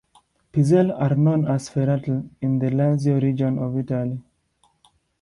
Pizzelle are known as ferratelle in the Lazio region of Italy.